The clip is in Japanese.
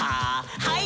はい。